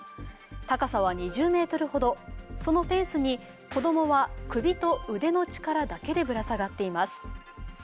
高さは２０ｍほどそのフェンスに子供は首と腕の力だけでぶら下がっています。